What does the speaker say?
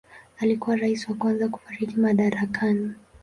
Alikuwa rais wa kwanza kufariki madarakani.